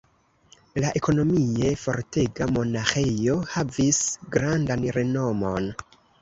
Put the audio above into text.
La ekonomie fortega monaĥejo havis grandan renomon.